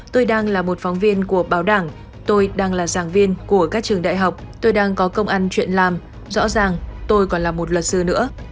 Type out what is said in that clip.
tôi đang là một phóng viên của báo đảng tôi đang là giảng viên của các trường đại học tôi đang có công ăn chuyện làm rõ ràng tôi còn là một luật sư nữa